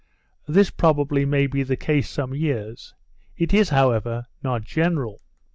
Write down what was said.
This probably may be the case some years. It is, however, not general.